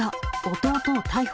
弟を逮捕。